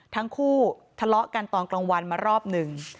ทั้งคู่ทะเลาะกันตอนกลางวันมารอบหนึ่ง